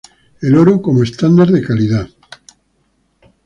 El oro como estándar de calidad.